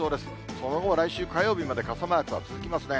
その後も来週火曜日まで傘マークは続きますね。